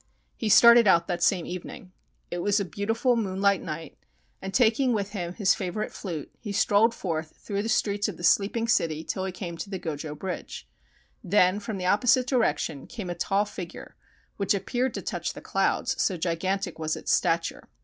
He started out that same evening. It was a beautiful moonlight night, 309 JAPAN and taking with him his favorite flute he strolled forth through the streets of the sleeping city till he came to the Go jo Bridge. Then from the opposite direction came a tall figure which appeared to touch the clouds, so gigantic was its stature.